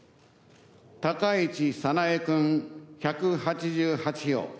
高市早苗君、１８８票。